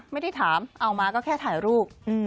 ไม่ได้ถามเอามาก็แค่ถ่ายรูป